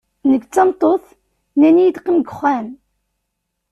Nekk d tameṭṭut, nnan-iyi-d qqim deg uxxam.